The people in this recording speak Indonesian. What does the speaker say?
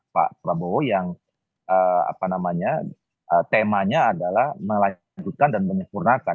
pak prabowo yang apa namanya temanya adalah melanjutkan dan menyempurnakan